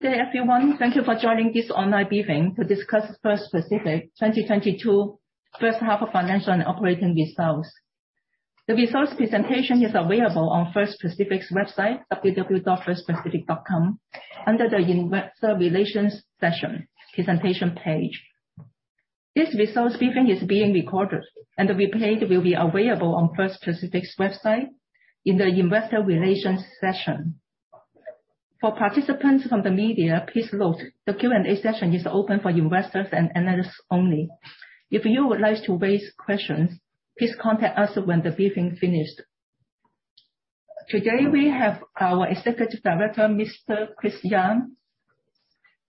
Good day everyone. Thank you for joining this online briefing to discuss First Pacific 2022 first half of financial and operating results. The results presentation is available on First Pacific's website www.firstpacific.com, under the Investor Relations section, Presentation page. This results briefing is being recorded and the replay will be available on First Pacific's website in the Investor Relations section. For participants from the media, please note the Q&A session is open for investors and analysts only. If you would like to raise questions, please contact us when the briefing finished. Today we have our Executive Director, Mr. Chris Young,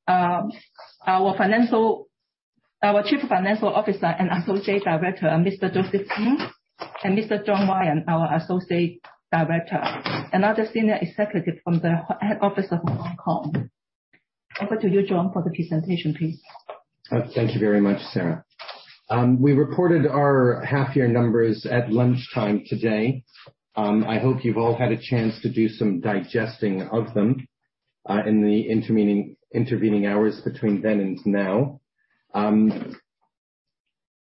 our Chief Financial Officer and Associate Director, Mr. Joseph Ng and Mr. John Ryan, our Associate Director. Another senior executive from the head office of Hong Kong. Over to you, John, for the presentation, please. Thank you very much, Sara. We reported our half-year numbers at lunchtime today. I hope you've all had a chance to do some digesting of them, in the intervening hours between then and now.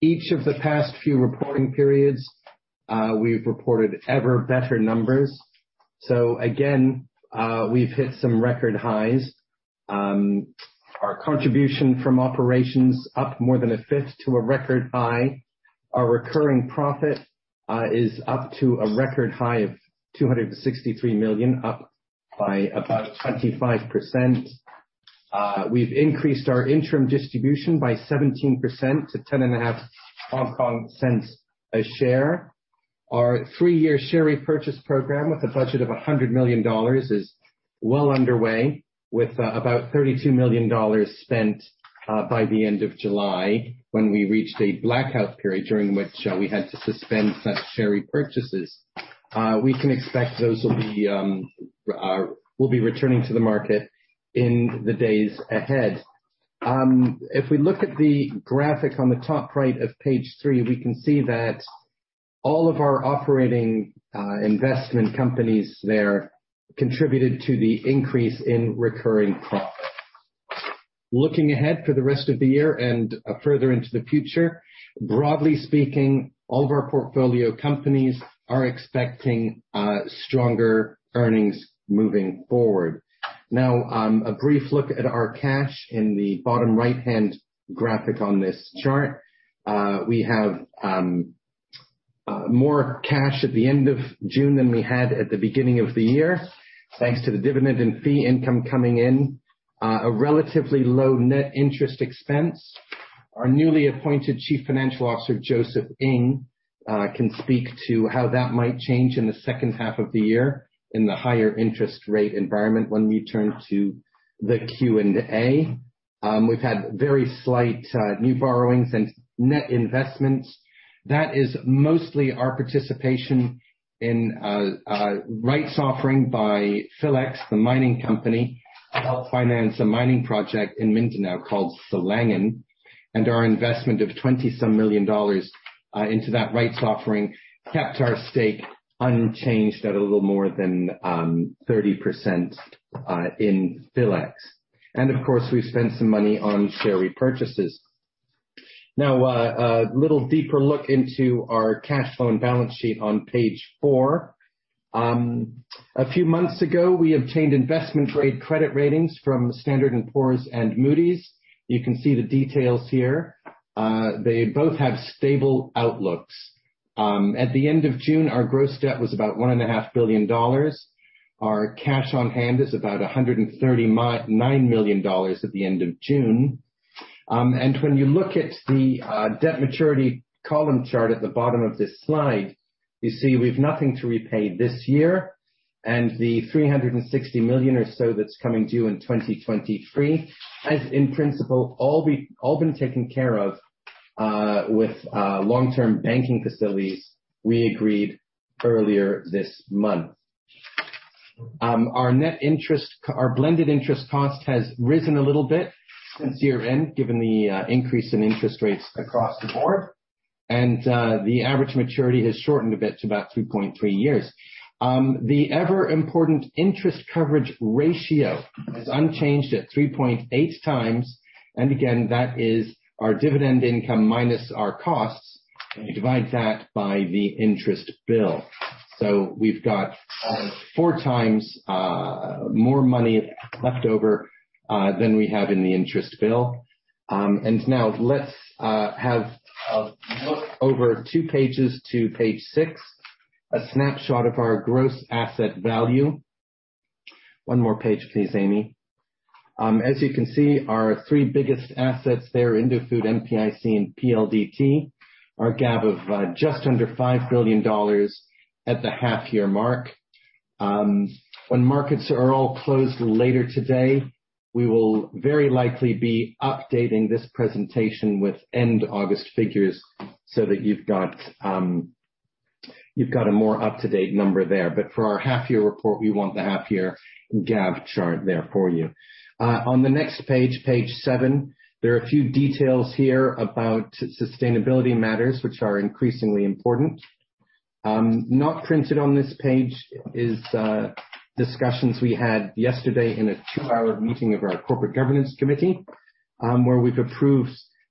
Each of the past few reporting periods, we've reported ever better numbers. Again, we've hit some record highs. Our contribution from operations up more than a fifth to a record high. Our recurring profit is up to a record high of 263 million, up by about 25%. We've increased our interim distribution by 17% to 10.5 Hong Kong cents a share. Our three-year share repurchase program with a budget of $100 million is well underway with about $32 million spent by the end of July, when we reached a blackout period during which we had to suspend such share repurchases. We can expect those will be returning to the market in the days ahead. If we look at the graphic on the top right of page 3, we can see that all of our operating investment companies there contributed to the increase in recurring profit. Looking ahead for the rest of the year and further into the future, broadly speaking, all of our portfolio companies are expecting stronger earnings moving forward. Now a brief look at our cash in the bottom right-hand graphic on this chart. We have more cash at the end of June than we had at the beginning of the year, thanks to the dividend and fee income coming in, a relatively low-net interest expense. Our newly appointed Chief Financial Officer, Joseph H. P. Ng, can speak to how that might change in the second half of the year in the higher interest rate environment when we turn to the Q&A. We've had very slight new borrowings and net investments. That is mostly our participation in a rights offering by Philex, the mining company, to help finance a mining project in Mindanao called Silangan. Our investment of some $20 million into that rights offering kept our stake unchanged at a little more than 30% in Philex. Of course, we spent some money on share repurchases. Now, a little deeper look into our cash flow and balance sheet on page 4. A few months ago, we obtained investment grade credit ratings from Standard & Poor's and Moody's. You can see the details here. They both have stable outlooks. At the end of June, our gross debt was about $1.5 billion. Our cash on hand is about $139 million at the end of June. When you look at the debt maturity column chart at the bottom of this slide, you see we've nothing to repay this year and the $360 million or so that's coming due in 2023, in principle, all been taken care of with long-term banking facilities we agreed earlier this month. Our blended interest cost has risen a little bit since year-end, given the increase in interest rates across the board. The average maturity has shortened a bit to about 3.3 years. The ever important interest coverage ratio is unchanged at 3.8 times, and again, that is our dividend income minus our costs. You divide that by the interest bill. We've got four times more money left over than we have in the interest bill. Now let's have a look over 2 pages to page 6, a snapshot of our gross asset value. One more page, please, Amy. As you can see, our three biggest assets there, Indofood, MPIC and PLDT, our GAV of just under $5 billion at the half-year mark. When markets are all closed later today, we will very likely be updating this presentation with end August figures so that you've got a more up-to-date number there. For our half-year report, we want the half-year GAV chart there for you. On the next page 7, there are a few details here about sustainability matters which are increasingly important. Not printed on this page is discussions we had yesterday in a two-hour meeting of our corporate governance committee, where we've approved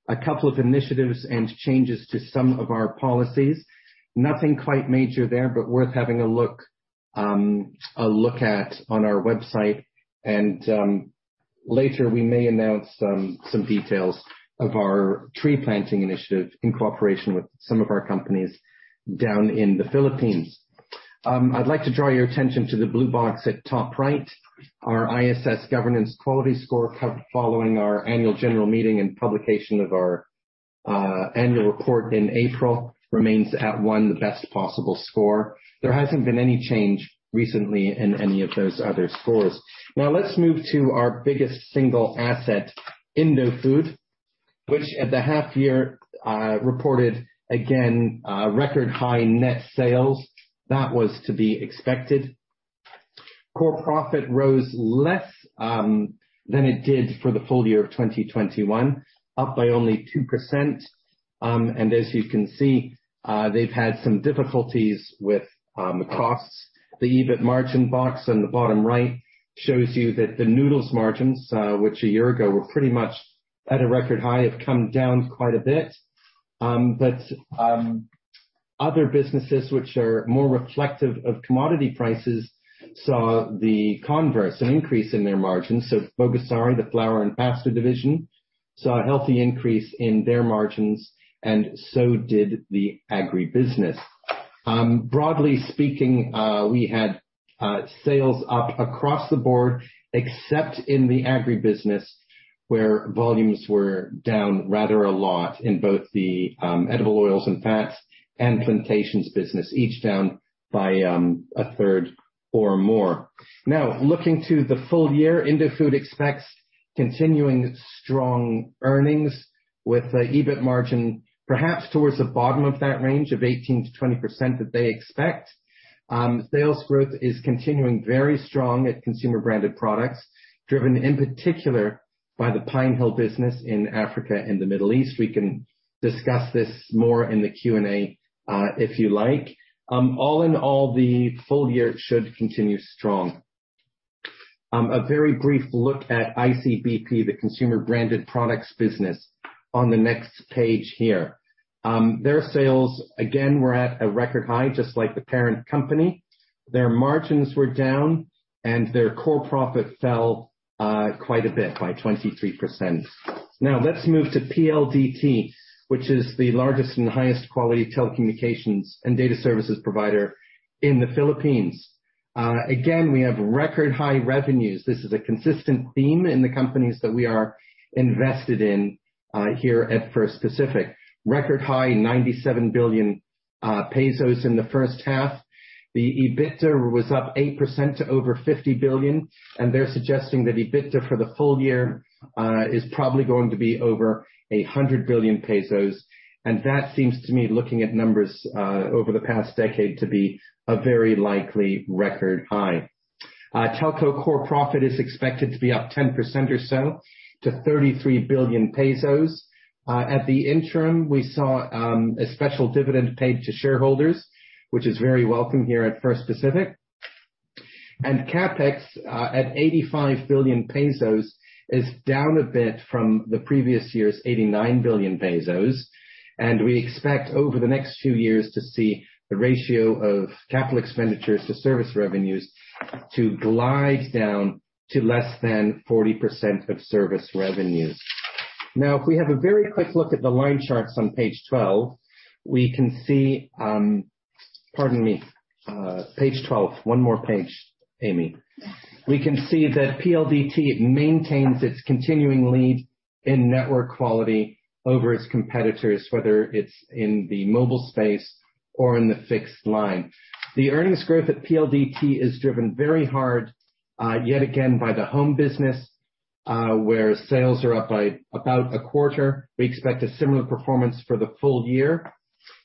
a couple of initiatives and changes to some of our policies. Nothing quite major there, but worth having a look at on our website. Later, we may announce some details of our tree planting initiative in cooperation with some of our companies down in the Philippines. I'd like to draw your attention to the blue box at top right. Our ISS Governance QualityScore following our annual general meeting and publication of our annual report in April remains at 1, the best possible score. There hasn't been any change recently in any of those other scores. Now let's move to our biggest single asset, Indofood, which at the half-year reported again record high-net sales. That was to be expected. Core profit rose less than it did for the full-year of 2021, up by only 2%. As you can see, they've had some difficulties with costs. The EBIT margin box on the bottom right shows you that the noodles margins, which a year ago were pretty much at a record high, have come down quite a bit. Other businesses which are more reflective of commodity prices saw the converse, an increase in their margins. Bogasari, the flour and pasta division, saw a healthy increase in their margins, and so did the Agribusiness. Broadly speaking, we had sales up across the board, except in the Agribusiness, where volumes were down rather a lot in both the edible oils and fats and plantations business, each down by a third or more. Now, looking to the full-year, Indofood expects continuing strong earnings with the EBIT margin, perhaps towards the bottom of that range of 18%-20% that they expect. Sales growth is continuing very strong at consumer branded products, driven in particular by the Pinehill business in Africa and the Middle East. We can discuss this more in the Q&A, if you like. All in all, the full-year should continue strong. A very brief look at ICBP, the consumer branded products business on the next page here. Their sales again were at a record high, just like the parent company. Their margins were down, and their core profit fell quite a bit, by 23%. Now let's move to PLDT, which is the largest and highest quality telecommunications and data services provider in the Philippines. Again, we have record high revenues. This is a consistent theme in the companies that we are invested in here at First Pacific. Record high, 97 billion pesos in the first half. The EBITDA was up 8% to over 50 billion, and they're suggesting that EBITDA for the full-year is probably going to be over 100 billion pesos. That seems to me, looking at numbers over the past decade, to be a very likely record high. Telco core profit is expected to be up 10% or so to 33 billion pesos. At the interim, we saw a special dividend paid to shareholders, which is very welcome here at First Pacific. CapEx at 85 billion pesos is down a bit from the previous year's 89 billion pesos. We expect over the next few years to see the ratio of capital expenditures to service revenues to glide down to less than 40% of service revenues. Now, if we have a very quick look at the line charts on page 12, we can see. Pardon me, page 12. One more page, Amy. We can see that PLDT maintains its continuing lead in network quality over its competitors, whether it's in the mobile space or in the fixed line. The earnings growth at PLDT is driven very hard yet again by the home business, where sales are up by about a quarter. We expect a similar performance for the full-year.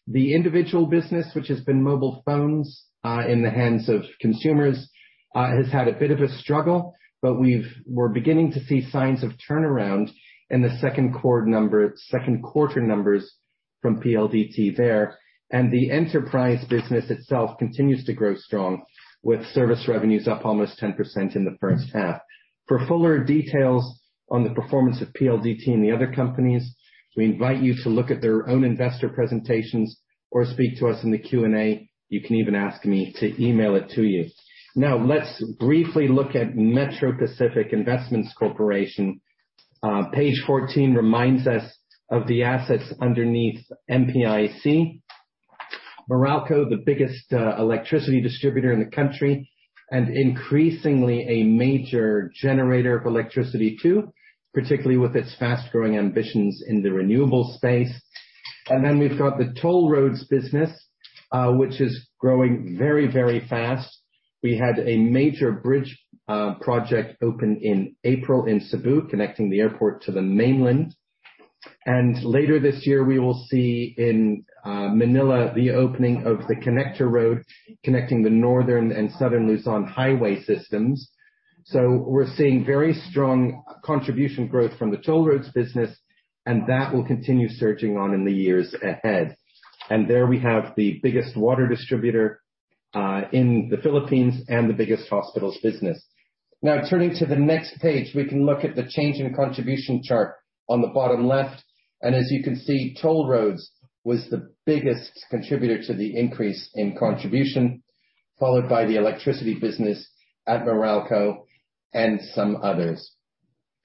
The individual business, which has been mobile phones in the hands of consumers, has had a bit of a struggle, but we're beginning to see signs of turnaround in the second quarter numbers from PLDT there. The enterprise business itself continues to grow strong, with service revenues up almost 10% in the first half. For fuller details on the performance of PLDT and the other companies, we invite you to look at their own investor presentations or speak to us in the Q&A. You can even ask me to email it to you. Now, let's briefly look at Metro Pacific Investments Corporation. Page 14 reminds us of the assets underneath MPIC. Meralco, the biggest electricity distributor in the country, and increasingly a major generator of electricity too, particularly with its fast-growing ambitions in the renewable space. Then we've got the toll roads business, which is growing very, very fast. We had a major bridge project open in April in Cebu, connecting the airport to the mainland. Later this year, we will see in Manila the opening of the connector road connecting the northern and southern Luzon highway systems. We're seeing very strong contribution growth from the toll roads business, and that will continue surging on in the years ahead. There we have the biggest water distributor in the Philippines and the biggest hospitals business. Now turning to the next page, we can look at the change in contribution chart on the bottom left. As you can see, toll roads was the biggest contributor to the increase in contribution, followed by the electricity business at Meralco and some others.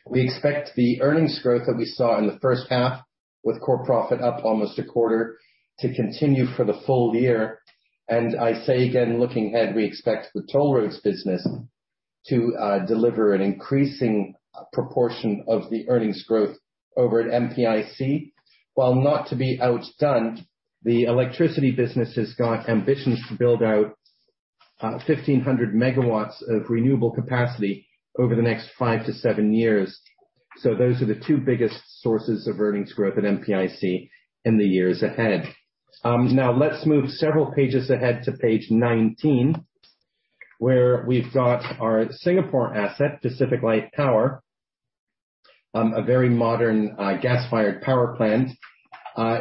We expect the earnings growth that we saw in the first half, with core profit up almost a quarter, to continue for the full-year. I say again, looking ahead, we expect the toll roads business to deliver an increasing proportion of the earnings growth over at MPIC. While not to be outdone, the electricity business has got ambitions to build out 1,500 megawatts of renewable capacity over the next 5-7 years. Those are the two biggest sources of earnings growth at MPIC in the years ahead. Now let's move several pages ahead to page 19, where we've got our Singapore asset, PacificLight Power. A very modern gas-fired power plant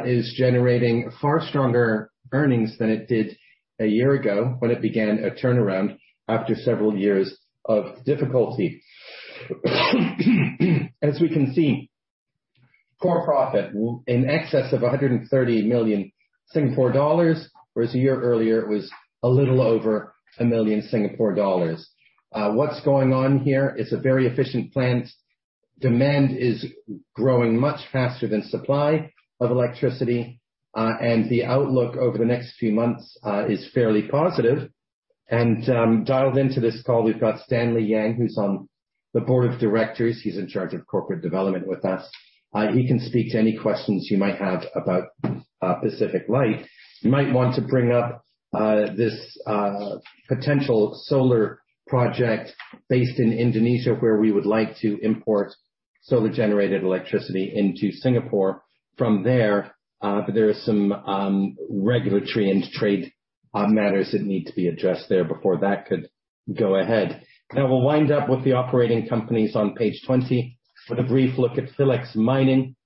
is generating far stronger earnings than it did a year ago when it began a turnaround after several years of difficulty. As we can see, core profit in excess of 130 million Singapore dollars, whereas a year earlier it was a little over 1 million Singapore dollars. What's going on here? It's a very efficient plant. Demand is growing much faster than supply of electricity, and the outlook over the next few months is fairly positive. Dialed into this call, we've got Stanley Yang, who's on the board of directors. He's in charge of corporate development with us. He can speak to any questions you might have about PacificLight. You might want to bring up this potential solar project based in Indonesia, where we would like to import solar-generated electricity into Singapore from there, but there are some regulatory and trade matters that need to be addressed there before that could go ahead. Now we'll wind up with the operating companies on page 20 with a brief look at Philex Mining,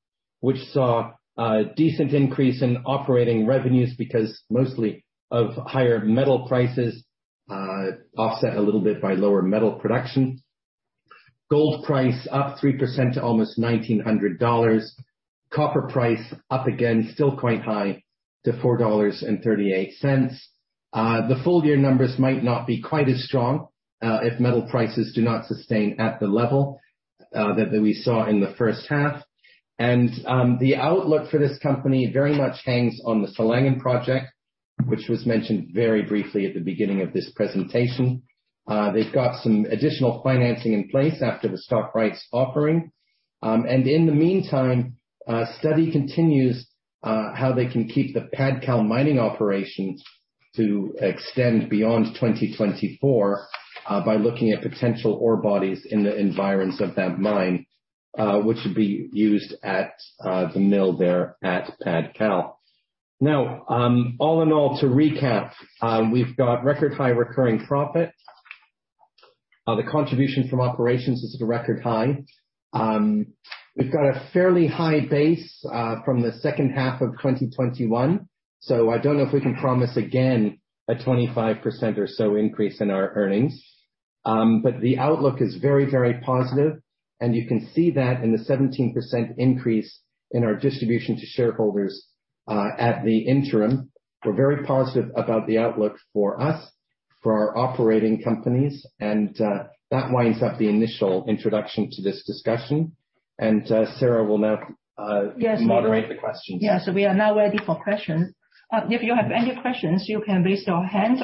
which saw a decent increase in operating revenues because mostly of higher metal prices, offset a little bit by lower metal production. Gold price up 3% to almost $1,900. Copper price up again, still quite high, to $4.38. The full-year numbers might not be quite as strong if metal prices do not sustain at the level that we saw in the first half. The outlook for this company very much hangs on the Silangan project, which was mentioned very briefly at the beginning of this presentation. They've got some additional financing in place after the stock rights offering. In the meantime, a study continues how they can keep the Padcal mining operation to extend beyond 2024 by looking at potential ore bodies in the environs of that mine, which would be used at the mill there at Padcal. Now, all in all, to recap, we've got record high recurring profit. The contribution from operations is at a record high. We've got a fairly high base from the second half of 2021, so I don't know if we can promise again a 25% or so increase in our earnings. The outlook is very, very positive, and you can see that in the 17% increase in our distribution to shareholders at the interim. We're very positive about the outlook for us, for our operating companies, and, that winds up the initial introduction to this discussion. Sara will now, Yes Moderate the questions. We are now ready for questions. If you have any questions, you can raise your hand.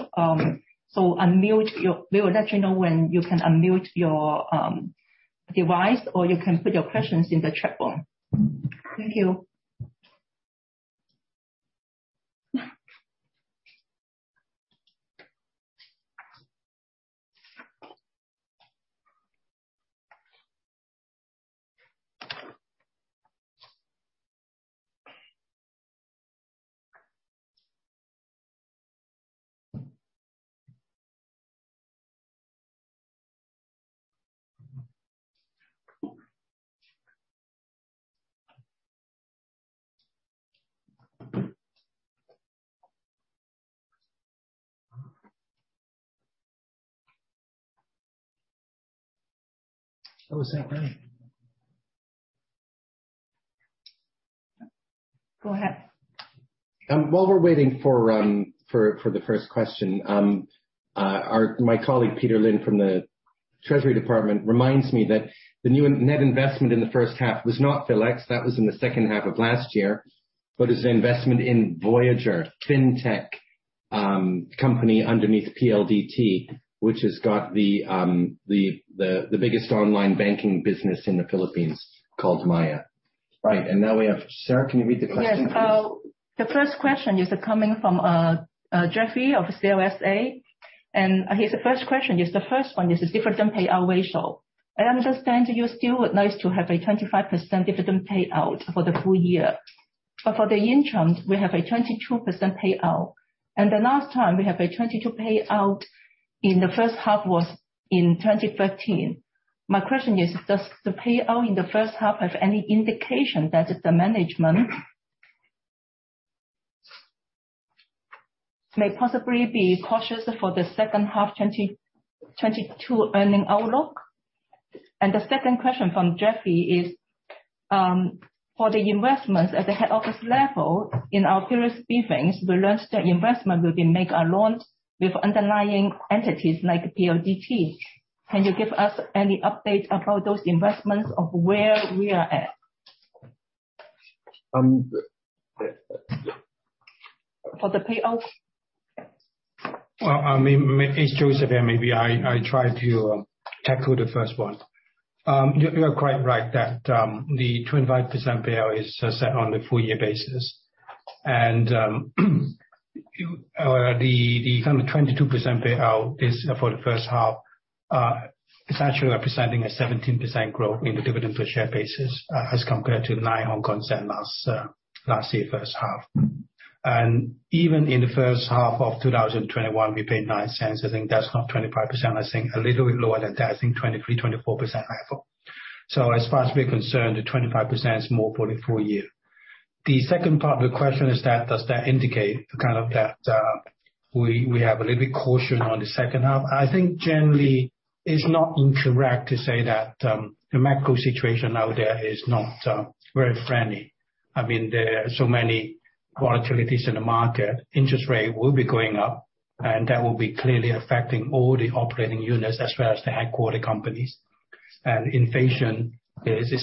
We will let you know when you can unmute your device, or you can put your questions in the chat bar. Thank you. How is that going? Go ahead. While we're waiting for the first question, my colleague Peter Lin from the treasury department reminds me that the new net investment in the first half was not Philex, that was in the second half of last year, but it's the investment in Voyager Innovations company underneath PLDT, which has got the biggest online banking business in the Philippines called Maya. Right. Now we have Sara, can you read the question please? Yes. The first question is coming from Jeffrey of CLSA. His first question is, the first one is the dividend payout ratio. I understand you're still aim to have a 25% dividend payout for the full-year. For the interim, we have a 22% payout. The last time we had a 22% payout in the first half was in 2013. My question is, does the payout in the first half have any indication that the management may possibly be cautious for the second half 2022 earnings outlook? The second question from Jeffrey is, for the investments at the head office level in our previous briefings, we learned that investments will be made alongside underlying entities like PLDT. Can you give us any update about those investments on where we are at? Um- For the payout. Well, I mean, it's Joseph here. Maybe I try to tackle the first one. You are quite right that the 25% payout is set on a full-year basis. Or the kind of 22% payout is for the first half is actually representing a 17% growth in the dividend per share basis, as compared to 0.09 HKD last year first half. Even in the first half of 2021, we paid 0.09 HKD. I think that's not 25%. I think a little bit lower than that. I think 23%-24%, I thought. As far as we're concerned, the 25% is more for the full-year. The second part of the question is that, does that indicate kind of that we have a little bit of caution on the second half? I think generally it's not incorrect to say that the macro situation out there is not very friendly. I mean, there are so many volatilities in the market. Interest rate will be going up, and that will be clearly affecting all the operating units as well as the headquarters companies. Inflation is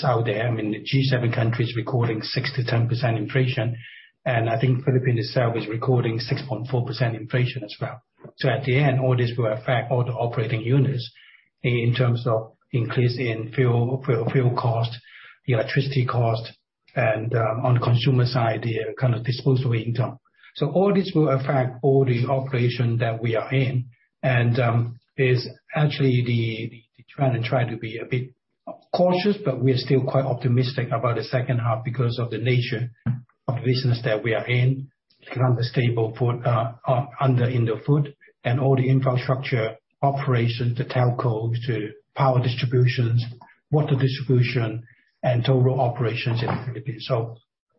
out there. I mean, the G7 country is recording 6%-10% inflation. I think Philippines itself is recording 6.4% inflation as well. At the end, all this will affect all the operating units in terms of increase in fuel cost, electricity cost, and on consumer side, the kind of disposable income. All this will affect all the operations that we are in. It is actually the trend, and try to be a bit cautious, but we are still quite optimistic about the second half because of the nature of business that we are in. Kind of stable footprint under Indofood and all the infrastructure operations, the telcos, the power distributions, water distribution and toll operations in the Philippines.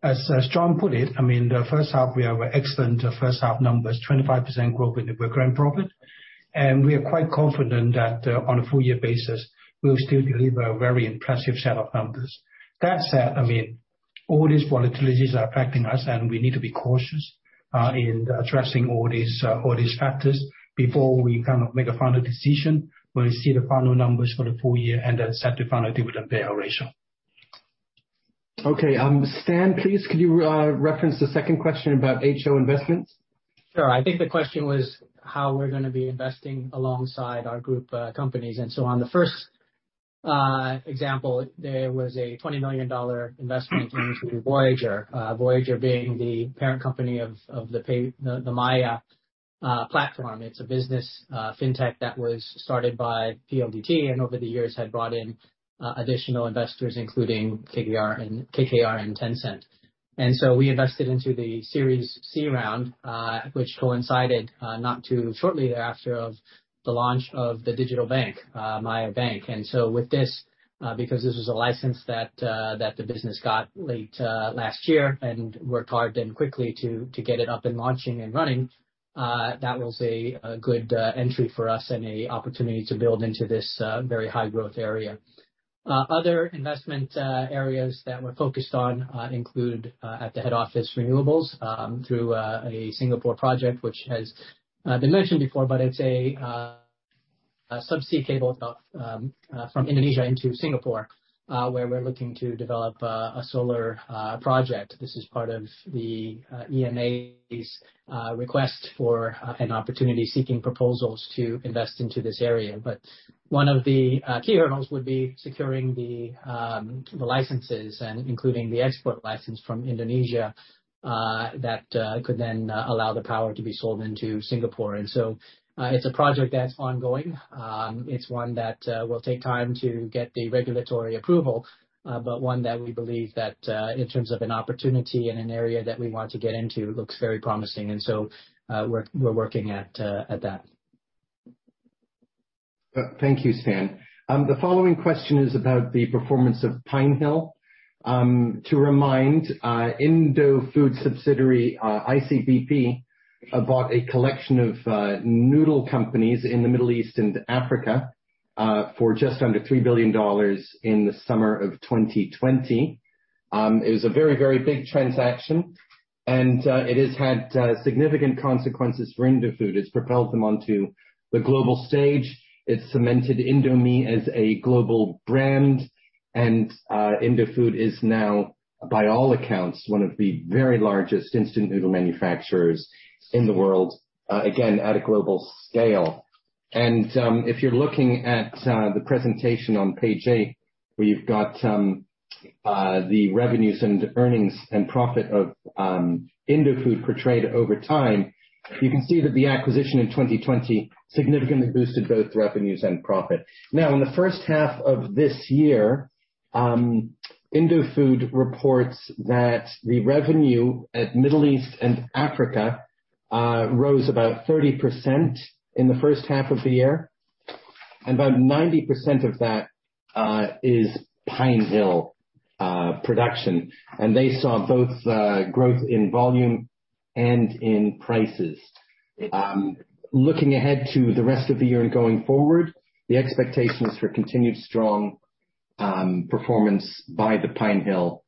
As John put it, I mean, the first half we have excellent first half numbers, 25% growth in the group gross profit. We are quite confident that on a full-year basis, we will still deliver a very impressive set of numbers. That said, I mean, all these volatilities are affecting us, and we need to be cautious in addressing all these factors before we kind of make a final decision. We'll see the final numbers for the full-year and set the final dividend payout ratio. Okay, Stan, please could you reference the second question about HO investments? Sure. I think the question was how we're gonna be investing alongside our group companies. On the first example, there was a $20 million investment into Voyager. Voyager being the parent company of the Maya platform. It's a business, fintech that was started by PLDT, and over the years had brought in additional investors, including KKR and Tencent. We invested into the series C round, which coincided not too shortly thereafter of the launch of the digital bank, Maya Bank. With this, because this was a license that the business got late last year and worked hard and quickly to get it up and launching and running, that was a good entry for us and an opportunity to build into this very high-growth area. Other investment areas that we're focused on include at the head office renewables through a Singapore project which has been mentioned before. It's a sub-sea cable from Indonesia into Singapore where we're looking to develop a solar project. This is part of the EMA's request for an opportunity-seeking proposals to invest into this area. One of the key hurdles would be securing the licenses and including the export license from Indonesia that could then allow the power to be sold into Singapore. It's a project that's ongoing. It's one that will take time to get the regulatory approval, but one that we believe that in terms of an opportunity and an area that we want to get into looks very promising. We're working at that. Thank you, Stan. The following question is about the performance of Pinehill. To remind, Indofood subsidiary, ICBP, bought a collection of noodle companies in the Middle East and Africa, for just under $3 billion in the summer of 2020. It was a very, very big transaction, and it has had significant consequences for Indofood. It's propelled them onto the global stage. It's cemented Indomie as a global brand. Indofood is now, by all accounts, one of the very largest instant noodle manufacturers in the world, again, at a global scale. If you're looking at the presentation on page 8, where you've got the revenues and earnings and profit of Indofood portrayed over time, you can see that the acquisition in 2020 significantly boosted both revenues and profit. Now, in the first half of this year, Indofood reports that the revenue at Middle East and Africa rose about 30% in the first half of the year. About 90% of that is Pine Hill production. They saw both growth in volume and in prices. Looking ahead to the rest of the year and going forward, the expectation is for continued strong performance by the Pine Hill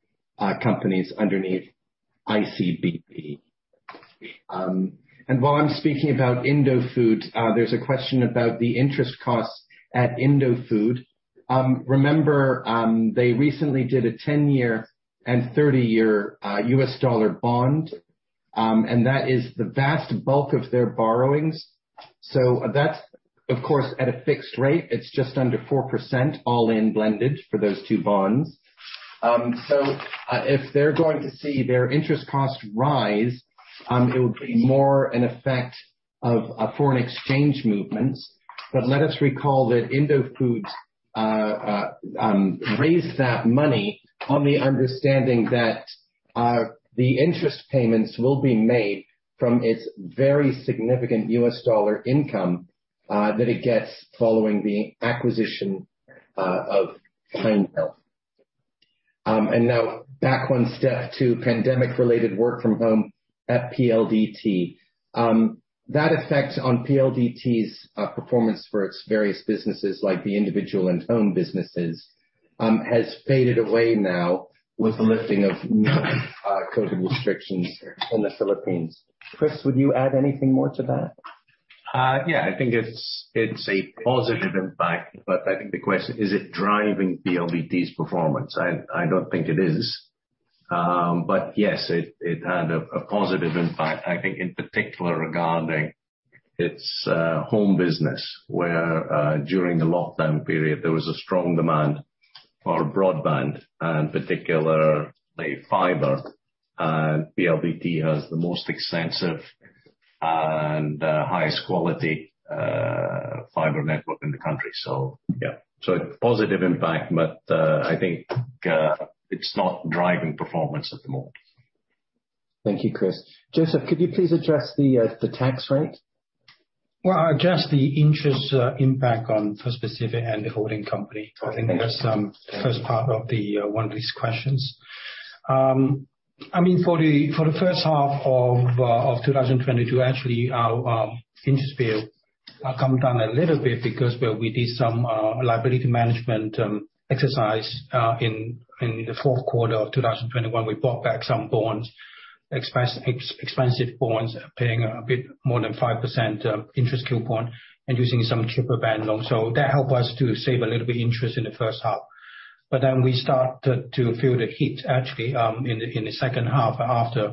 companies underneath ICBP. While I'm speaking about Indofood, there's a question about the interest costs at Indofood. Remember, they recently did a 10-year and 30-year U.S. dollar bond. That is the vast bulk of their borrowings. That's, of course, at a fixed rate, it's just under 4% all-in blended for those two bonds. If they're going to see their interest costs rise, it would be more an effect of a foreign exchange movements. Let us recall that Indofood raised that money on the understanding that the interest payments will be made from its very significant US dollar income that it gets following the acquisition of Pinehill. Now back one step to pandemic-related work from home at PLDT. That effect on PLDT's performance for its various businesses like the individual and home businesses has faded away now with the lifting of COVID restrictions in the Philippines. Chris, would you add anything more to that? Yeah. I think it's a positive impact, but I think the question is it driving PLDT's performance? I don't think it is. But yes, it had a positive impact, I think, in particular regarding its home business, where during the lockdown period, there was a strong demand for broadband, and particularly fiber. PLDT has the most extensive and highest-quality fiber network in the country. Yeah. A positive impact, but I think it's not driving performance at the moment. Thank you, Chris. Joseph, could you please address the tax rate? Well, I'll address the interest impact on Pacific and the holding company. Okay. I think that's the first part of one of these questions. I mean, for the first half of 2022, actually our interest bill come down a little bit because we did some liability management exercise in the fourth quarter of 2021. We bought back some bonds, expensive bonds paying a bit more than 5% interest coupon and using some cheaper bank loan. So that helped us to save a little bit interest in the first half. Then we start to feel the heat actually in the second half after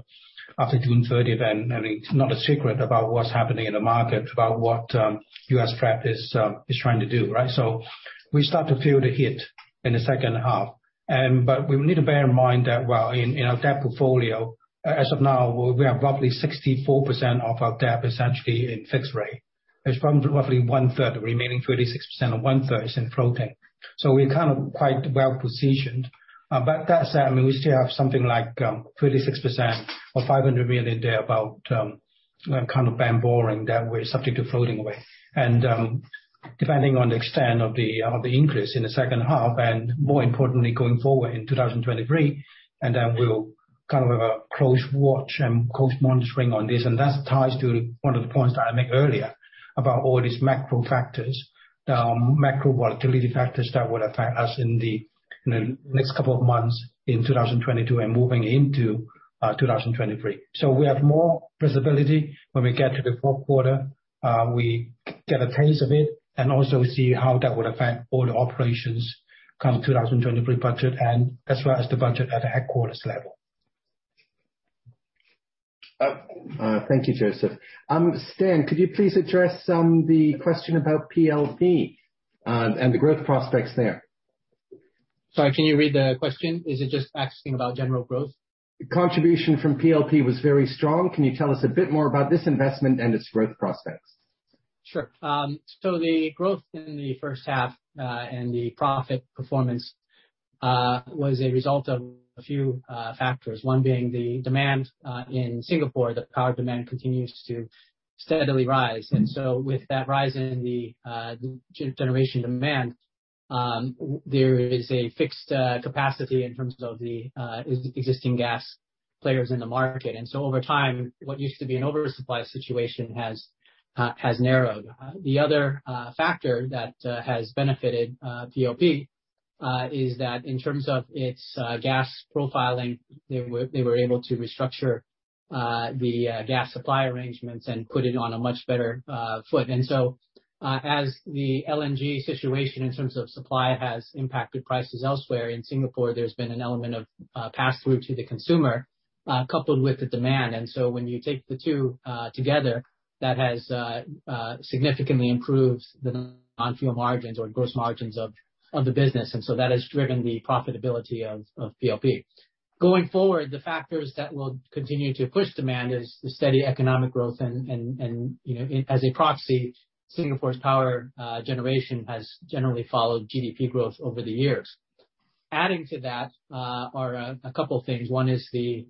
June 30 event. I mean, it's not a secret about what's happening in the market about what U.S. Fed is trying to do, right? We start to feel the hit in the second half. But we need to bear in mind that while in our debt portfolio, as of now, we have roughly 64% of our debt is actually in fixed rate. There's roughly one-third, the remaining 36% or one-third is in floating. We're kind of quite well-positioned. But that said, I mean, we still have something like 36% or $500 million thereabout kind of bank borrowing that we're subject to floating rate. Depending on the extent of the increase in the second half, and more importantly, going forward in 2023, we'll kind of have a close watch and close monitoring on this. That ties to one of the points that I made earlier about all these macro factors. Macro volatility factors that would affect us in the next couple of months in 2022 and moving into 2023. We have more visibility when we get to the fourth quarter. We get a taste of it and also see how that would affect all the operations come 2023 budget and as well as the budget at the headquarters level. Thank you, Joseph. Stan, could you please address the question about PLP and the growth prospects there? Sorry, can you read the question? Is it just asking about general growth? Contribution from PLP was very strong. Can you tell us a bit more about this investment and its growth prospects? Sure. So the growth in the first half and the profit performance was a result of a few factors. One being the demand in Singapore. The power demand continues to steadily rise. With that rise in the generation demand, there is a fixed capacity in terms of the existing gas players in the market. Over time, what used to be an oversupply situation has narrowed. The other factor that has benefited PLP is that in terms of its gas profiling, they were able to restructure the gas supply arrangements and put it on a much better foot. As the LNG situation in terms of supply has impacted prices elsewhere, in Singapore, there's been an element of pass-through to the consumer, coupled with the demand. When you take the two together, that has significantly improved the non-fuel margins or gross margins of the business. That has driven the profitability of PLP. Going forward, the factors that will continue to push demand is the steady economic growth and you know, as a proxy, Singapore's power generation has generally followed GDP growth over the years. Adding to that, are a couple things. One is the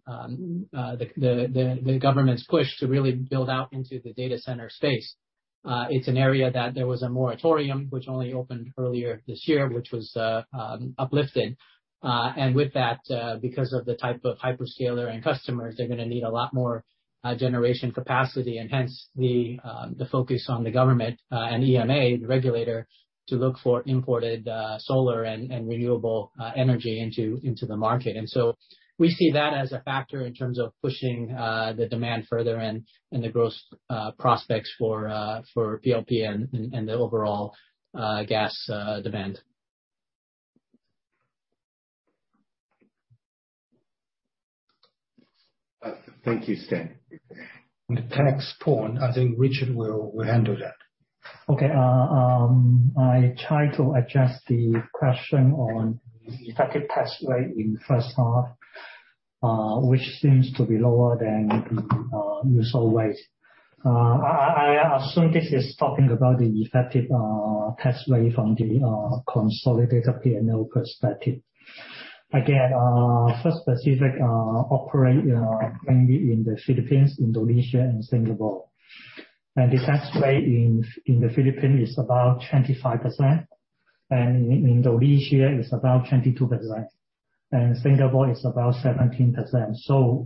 government's push to really build out into the data center space. It's an area that there was a moratorium which only opened earlier this year, which was uplifted. With that, because of the type of hyperscaler and customers, they're gonna need a lot more generation capacity and hence the focus on the government and EMA, the regulator, to look for imported solar and renewable energy into the market. We see that as a factor in terms of pushing the demand further and the growth prospects for PLP and the overall gas demand. Thank you, Stan. On the tax point, I think Richard will handle that. Okay. I try to address the question on effective tax rate in first half, which seems to be lower than the usual rate. I assume this is talking about the effective tax rate from the consolidated P&L perspective. Again, First Pacific operate mainly in the Philippines, Indonesia, and Singapore. The tax rate in the Philippines is about 25%, and in Indonesia is about 22%, and in Singapore is about 17%.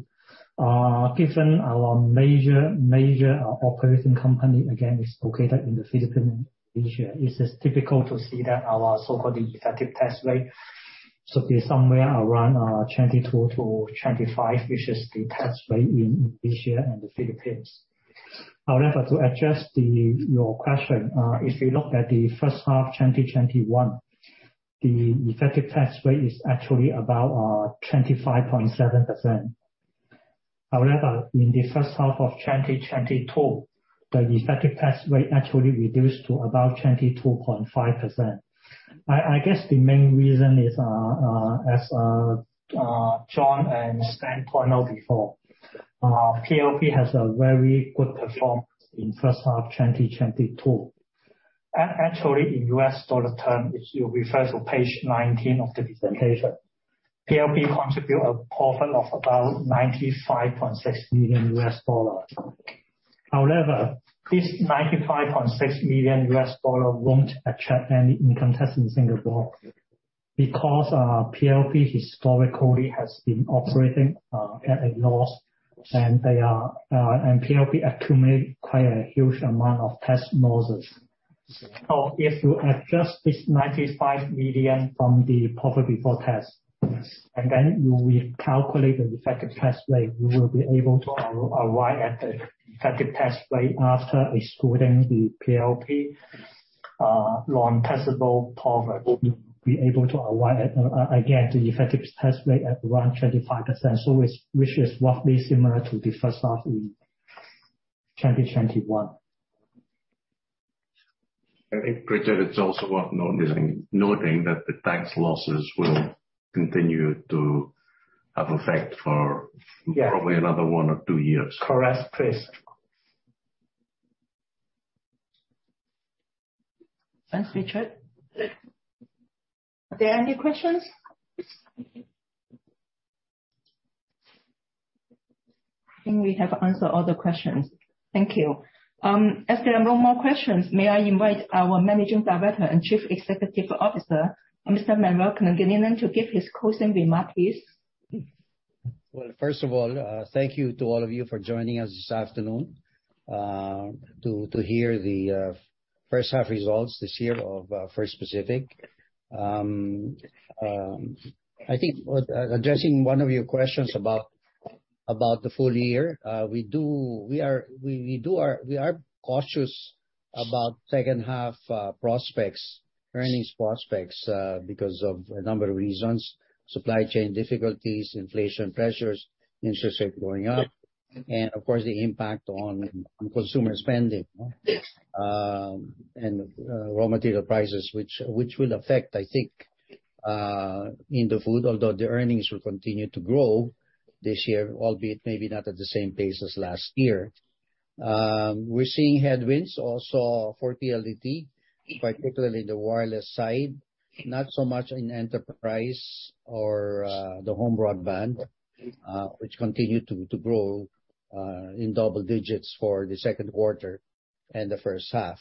Given our major operating company again is located in the Philippines and Indonesia, it is typical to see that our so-called effective tax rate should be somewhere around 22%-25%, which is the tax rate in Indonesia and the Philippines. However, to address your question, if you look at the first half 2021, the effective tax rate is actually about 25.7%. However, in the first half of 2022, the effective tax rate actually reduced to about 22.5%. I guess the main reason is, as John and Stan pointed out before, PLP has a very good performance in first half 2022. Actually, in US dollar term, if you refer to page 19 of the presentation, PLP contribute a profit of about $95.6 million. However, this $95.6 million won't attract any income tax in Singapore because PLP historically has been operating at a loss, and PLP accumulate quite a huge amount of tax losses. If you adjust this $95 million from the profit before tax, and then you recalculate the effective tax rate, you will be able to arrive at the effective tax rate after excluding the PLP non-taxable profit, again at around 25%, which is roughly similar to the first half in 2021. I think, Richard, it's also worth noting that the tax losses will continue to have effect for- Yeah. Probably another 1 or 2 years. Correct. Yes. Thanks, Richard. Are there any questions? I think we have answered all the questions. Thank you. As there are no more questions, may I invite our Managing Director and Chief Executive Officer, Mr. Manuel V. Pangilinan, to give his closing remarks, please. Well, first of all, thank you to all of you for joining us this afternoon, to hear the first half results this year of First Pacific. I think, addressing one of your questions about the full-year, we are cautious about second half prospects, earnings prospects, because of a number of reasons, supply chain difficulties, inflation pressures, interest rates going up, and of course the impact on consumer spending, and raw material prices which will affect, I think, in the food although the earnings will continue to grow this year, albeit maybe not at the same pace as last year. We're seeing headwinds also for PLDT, particularly the wireless side, not so much in enterprise or the home broadband, which continued to grow in double digits for the second quarter and the first half.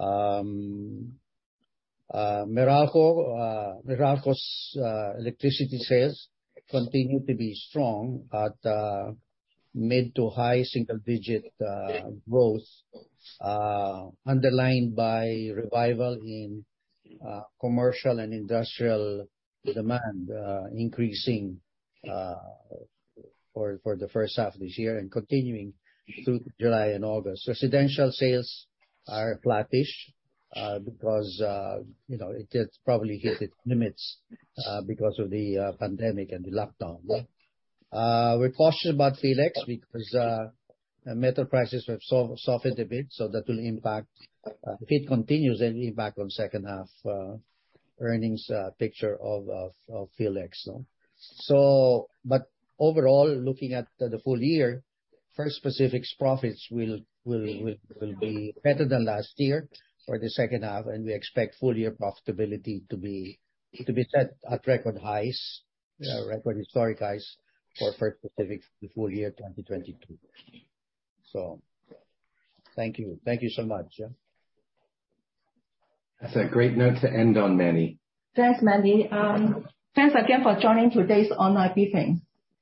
Meralco's electricity sales continue to be strong at mid- to high-single-digit growth, underlined by revival in commercial and industrial demand increasing for the first half of this year and continuing through July and August. Residential sales are flattish because you know, it has probably hit its limits because of the pandemic and the lockdown. We're cautious about Philex because metal prices have softened a bit, so that will impact if it continues, it'll impact on second half earnings picture of Philex. Overall, looking at the full-year, First Pacific's profits will be better than last year for the second half, and we expect full-year profitability to be set at record highs, record historic highs for First Pacific for the full-year 2022. Thank you. Thank you so much. Yeah. That's a great note to end on, Manny. Thanks, Manny. Thanks again for joining today's online briefing.